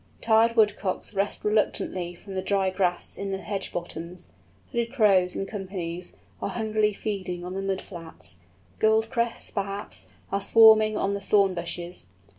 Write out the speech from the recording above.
Tired Woodcocks rise reluctantly from the dry grass in the hedge bottoms; Hooded Crows, in companies, are hungrily feeding on the mud flats; Goldcrests, perhaps, are swarming on the thorn bushes.